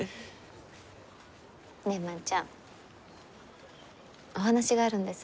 ねえ万ちゃんお話があるんです。